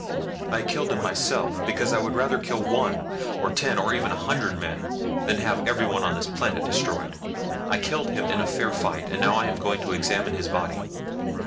I killed him myself, because I would rather kill one, or ten, or even a hundred men than have everyone on this planet destroyed. I killed him in a fair fight and now I am going to examine his body.